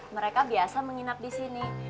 mereka biasa menginap di sini